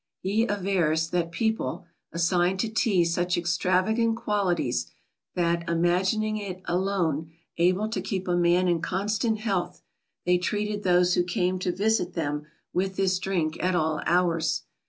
He avers that people "assigned to Tea such extravagant qualities that, imagining it alone able to keep a man in constant health, they treated those who came to visit them with this drink at all hours."